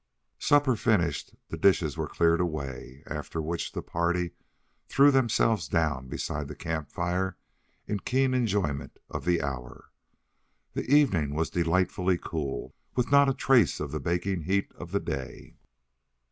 Supper finished the dishes were cleared away, after which the party threw themselves down beside the camp fire in keen enjoyment of the hour. The evening was delightfully cool, with not a trace of the baking heat of the day.